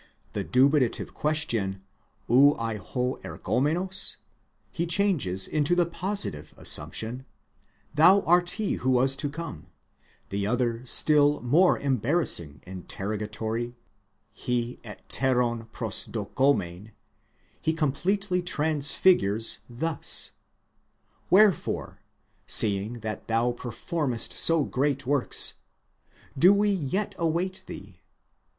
The dubitative question, od εἶ ὃ ἐρχόμενος ; he changes into the positive assumption, thou art he who was to come; the other still more em barrassing interrogatory, ἢ ἕτερον προσδοκῶμεν; he completely transfigures thus: wherefore (seeing that thou performest so great works) do we yet await thee